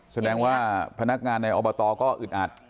แสดงว่าพนักงานในอบตก็อึดอัด